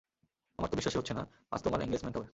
আমার তো বিশ্বাসই হচ্ছে না আজ তোমার এঙ্গেসমেন্ট হবে।